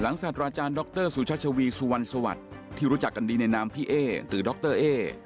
ศาสตราจารย์ดรสุชัชวีสุวรรณสวัสดิ์ที่รู้จักกันดีในนามพี่เอ๊หรือดรเอ๊